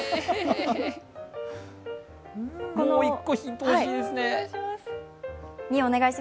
もう一個、ヒント欲しいですね。